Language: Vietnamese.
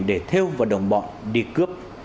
để thêu và đồng bọn đi cướp